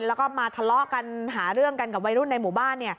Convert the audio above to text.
แล้วก็มาทะเลาะกันหาเรื่องกันกับวัยรุ่นในหมู่บ้าน